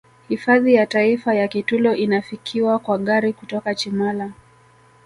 Hifadhi ya taifa ya Kitulo inafikiwa kwa gari kutoka Chimala